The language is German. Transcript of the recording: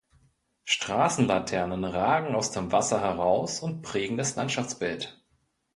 Straßenlaternen ragen aus dem Wasser heraus und prägen das Landschaftsbild.